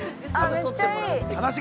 めっちゃいい！